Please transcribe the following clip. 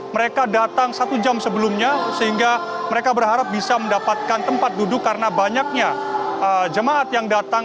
mereka datang satu jam sebelumnya sehingga mereka berharap bisa mendapatkan tempat duduk karena banyaknya jemaat yang datang